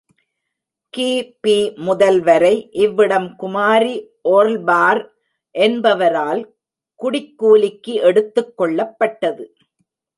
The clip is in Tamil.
கி.பி.முதல் வரை இவ்விடம் குமாரி ஓர்ல்பார் என்பவரால் குடிக்கூலிக்கு எடுத்துக் கொள்ளப்பட்டது.